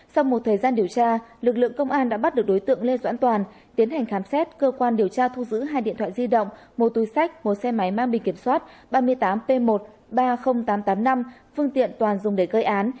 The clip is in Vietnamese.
sau một thời gian điều tra lực lượng công an đã bắt được đối tượng lê doãn toàn tiến hành khám xét cơ quan điều tra thu giữ hai điện thoại di động một túi sách một xe máy mang bị kiểm soát ba mươi tám p một ba mươi nghìn tám trăm tám mươi năm phương tiện toàn dùng để gây án